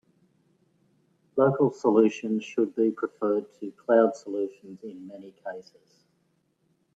Local solutions should be preferred to cloud solutions in many cases.